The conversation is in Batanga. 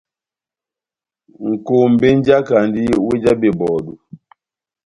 Nʼkombé mújakandi wéh já bebɔdu.